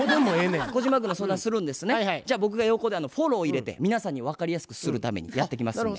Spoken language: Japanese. じゃあ僕が横でフォロー入れて皆さんに分かりやすくするためにやっていきますんで。